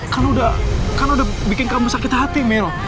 kan udah kan udah bikin kamu sakit hati mil